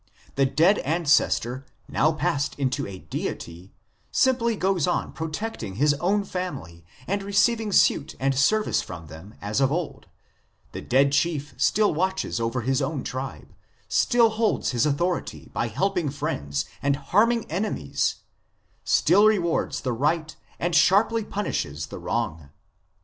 The dead ancestor, now passed into a deity, simply goes on protecting his own family and receiving suit and service from them as of old ; the dead chief still watches over his own tribe, still holds his authority by helping friends and harming enemies, still rewards the right and sharply punishes the wrong."